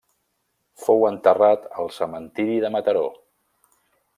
Fou enterrat al cementiri de Mataró.